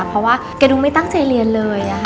เพราะว่าแกดูไม่ตั้งใจเรียนเลย